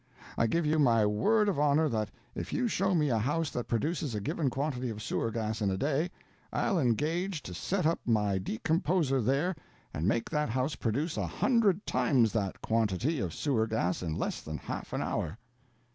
I give you my word of honor that if you show me a house that produces a given quantity of sewer gas in a day, I'll engage to set up my decomposer there and make that house produce a hundred times that quantity of sewer gas in less than half an hour."